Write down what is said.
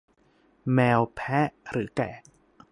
แมว แพะ หรือแกะ